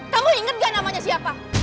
kamu inget gak namanya siapa